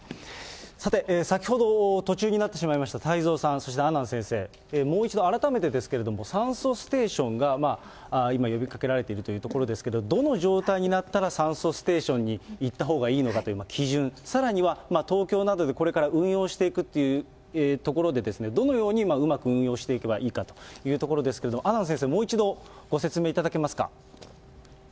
さて、先ほど途中になってしまいました、太蔵さん、そして阿南先生、もう一度改めてですけれども、酸素ステーションが今、呼びかけられているというところですけど、どの状態になったら、酸素ステーションに行ったほうがいいのかという基準、さらには東京などでこれから運用していくというところで、どのようにうまく運用していけばいいかというところですけれども、阿南先生、もう一度ご説明いただけますか。